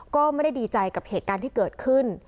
ก็ไม่ได้ดีใจกับเหตุการณ์ที่เกิดขึ้น